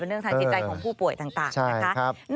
เป็นเรื่องทางสิทธิใจของผู้ป่วยต่าง